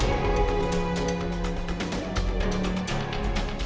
kepastian jumlah dpt tingkat nasional